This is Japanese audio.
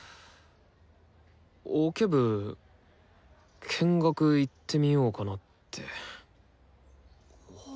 オケ部見学行ってみようかなって。